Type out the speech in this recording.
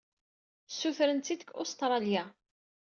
Ssurrten-tt-id deg Ustṛalya.